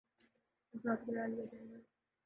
آزاد کرا لیا جائے گا